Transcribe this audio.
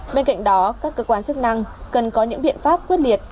bên cạnh đó các cơ quan chức năng cần có những biện pháp quyết liệt